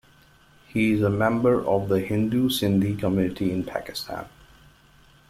He is a member of the Hindu Sindhi community in Pakistan.